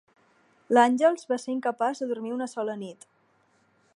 L'Anglès va ser incapaç de dormir una sola nit.